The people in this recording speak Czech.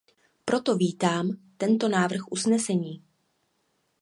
Proto vítám tento návrh usnesení.